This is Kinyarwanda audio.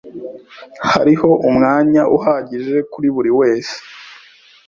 Hariho umwanya uhagije kuri buri wese.